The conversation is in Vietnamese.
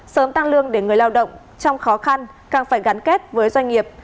sớm tăng lương để người lao động trong khó khăn càng phải gắn kết với doanh nghiệp